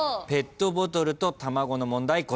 ペットボトルと卵の問題